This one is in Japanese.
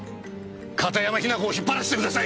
片山雛子を引っ張らせてください！